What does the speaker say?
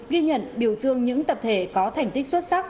ghi nhận biểu dương những tập thể có thành tích xuất sắc